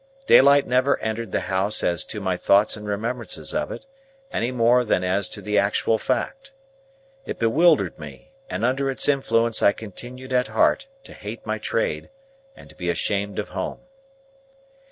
Daylight never entered the house as to my thoughts and remembrances of it, any more than as to the actual fact. It bewildered me, and under its influence I continued at heart to hate my trade and to be ashamed of home.